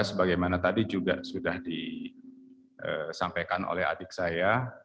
sebagaimana tadi juga sudah disampaikan oleh adik saya